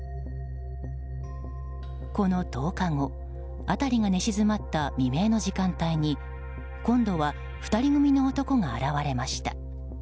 この１０日後辺りが寝静まった未明の時間帯に今度は２人組の男が現れました。